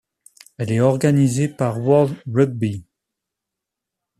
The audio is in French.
Elle est organisée par World Rugby.